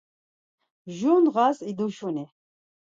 Jur ndğas iduşuni.